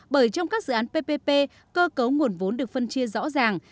bởi trong các dự án ppp cơ cấu nguồn vốn được phân chia rõ ràng